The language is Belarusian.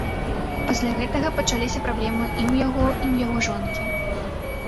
Пасля гэтага пачаліся праблемы і ў яго, і ў яго жонкі.